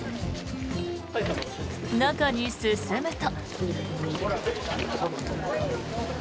中に進むと。